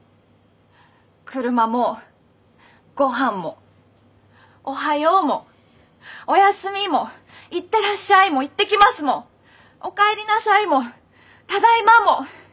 車もご飯もおはようもおやすみも行ってらっしゃいも行ってきますもお帰りなさいもただいまもなくなるんだよ